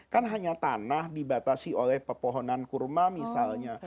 kan hanya tanah dibatasi oleh pepohonan kurma misalnya